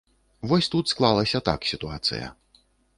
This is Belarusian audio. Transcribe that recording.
Вось тут склалася так сітуацыя.